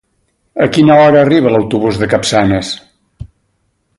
A quina hora arriba l'autobús de Capçanes?